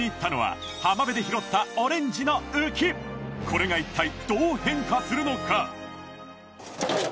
これが一体どう変化するのか？